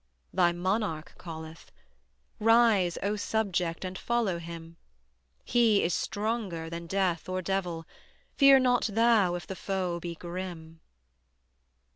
Thy Monarch calleth, Rise, O Subject, and follow Him: He is stronger than Death or Devil, Fear not thou if the foe be grim.